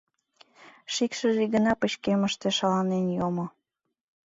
Шикшыже гына пычкемыште шаланен йомо.